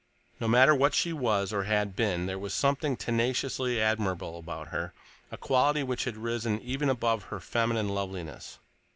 No matter what she was, or had been, there was something tenaciously admirable about her, a quality which had risen even above her feminine loveliness.